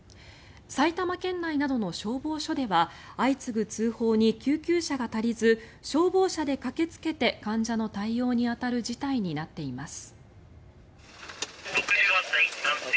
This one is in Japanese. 埼玉県内などの消防署では相次ぐ通報に救急車が足りず消防車で駆けつけて患者の対応に当たる事態になっています。